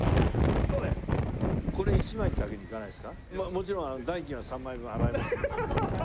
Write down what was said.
もちろん代金は３枚分払いますので。